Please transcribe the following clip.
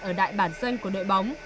ở đại bản doanh của đội bóng